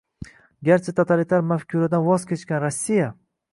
garchi totalitar mafkuradan voz kechgan Rossiya